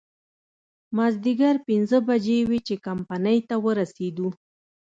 مازديګر پينځه بجې وې چې کمپنۍ ته ورسېدو.